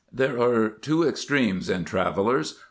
There are two extremes in travellers.